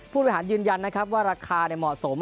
ผู้บริหารยืนยันนะครับว่าราคาเหมาะสม